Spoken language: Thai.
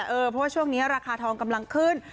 เพราะว่าช่วงนี้ราคาทองกำลังขึ้น